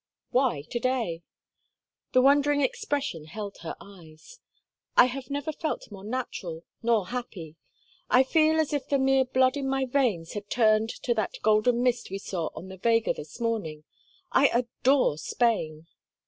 "Why to day?" The wondering expression held her eyes. "I have never felt more natural, nor happy. I feel as if the mere blood in my veins had turned to that golden mist we saw on the vega this morning. I adore Spain!"